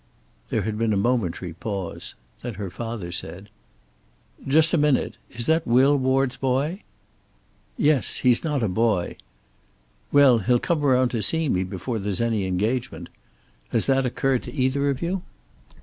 There had been a momentary pause. Then her father said: "Just a minute. Is that Will Ward's boy?" "Yes. He's not a boy." "Well, he'll come around to see me before there's any engagement. Has that occurred to either of you?"